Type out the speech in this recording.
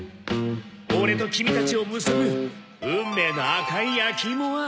「オレとキミたちを結ぶ運命の赤い焼き芋は」